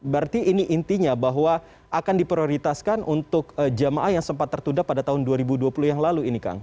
berarti ini intinya bahwa akan diprioritaskan untuk jemaah yang sempat tertunda pada tahun dua ribu dua puluh yang lalu ini kang